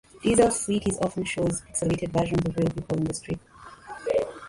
"Diesel Sweeties" often shows pixelated versions of real people in the strip.